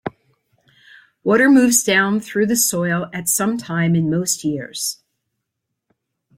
Water moves down through the soil at some time in most years.